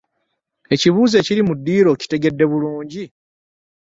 Ekibuuzo ekiri mu ddiiro okitegedde bulungi?